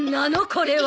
これは。